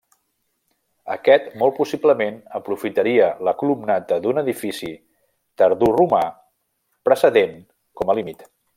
Aquest molt possiblement aprofitaria la columnata d'un edifici tardoromà precedent com a límit.